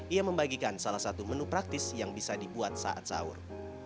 ia membagikan salah satu menu praktis yang bisa dibuat saat sahur